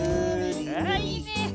ああいいね。